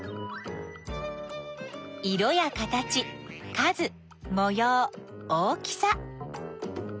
色や形数もよう大きさ。